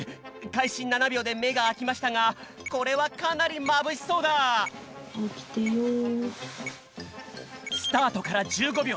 かいし７秒でめがあきましたがこれはかなりまぶしそうだスタートから１５秒。